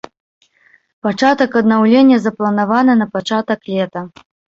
Пачатак аднаўлення запланаваны на пачатак лета.